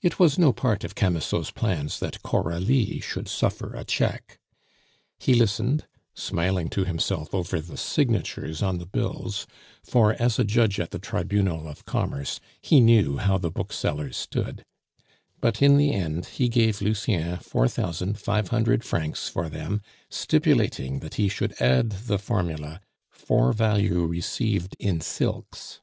It was no part of Camusot's plans that Coralie should suffer a check. He listened, smiling to himself over the signatures on the bills (for, as a judge at the Tribunal of Commerce, he knew how the booksellers stood), but in the end he gave Lucien four thousand five hundred francs for them, stipulating that he should add the formula "For value received in silks."